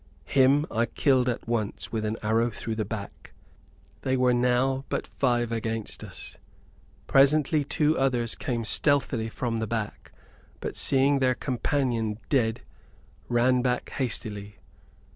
Him I killed at once with an arrow through the back. They were now but five against us. Presently two others came stealthily from the back: but, seeing their companion dead, ran back hastily.